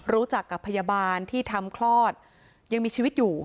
รู้จักกับพยาบาลที่ทำคลอดยังมีชีวิตอยู่